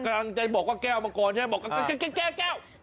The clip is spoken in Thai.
กำลังจะบอกว่าแก้วมังกรใช่ไหมบอกแก้วแก้ว